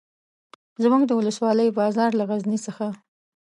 زموږ د ولسوالۍ بازار له غزني څخه.